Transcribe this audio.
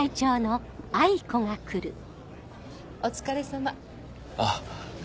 ・お疲れさま・あっ。